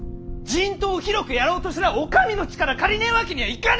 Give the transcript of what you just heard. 人痘を広くやろうとすりゃお上の力借りねえわけにはいかねえだろうが！